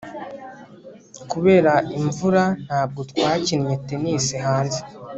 kubera imvura, ntabwo twakinnye tennis hanze